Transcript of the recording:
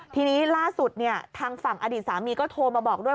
ทีนี้ล่าสุดทางฝั่งอดีตสามีก็โทรมาบอกด้วย